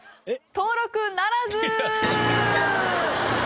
登録ならず！